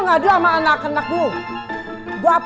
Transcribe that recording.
kau ngajul sama anak anak lu